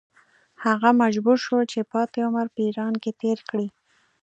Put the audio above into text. هغه مجبور شو چې پاتې عمر په ایران کې تېر کړي.